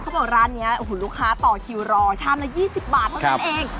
เขาบอกว่าร้านนี้ลูกค้าต่อคิวรอชามละ๒๐บาทเท่านั้นเอง